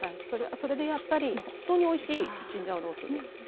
それはそれでやっぱり本当においしいチンジャオロースーです。